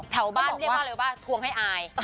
แถวบ้านเรียกมาเร็วป่ะทวงให้อาย